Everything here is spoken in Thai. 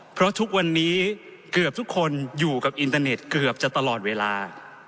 เพราะทุกวันนี้เกือบทุกคนอยู่กับอินเทอร์เน็ตเกือบจะตลอดเวลา